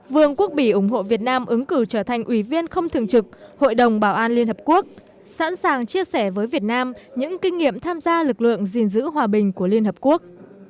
vương quốc bỉ ủng hộ việt nam ứng cử trở thành ủy viên không thường trực hội đồng bảo an liên hợp quốc sẵn sàng chia sẻ với việt nam những kinh nghiệm tham gia lực lượng gìn giữ hòa bình của liên hợp quốc